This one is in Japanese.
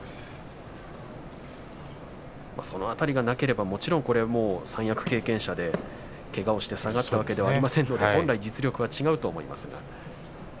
その辺りがなければ、もちろん三役経験者でけがをして下がったわけではありませんので本来、実力は違うと思いますけれど。